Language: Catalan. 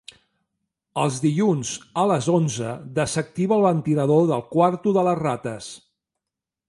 Els dilluns a les onze desactiva el ventilador del quarto de les rates.